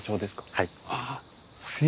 はい。